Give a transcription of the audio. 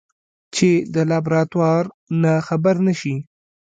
چې د لابراتوار نه خبره نشي.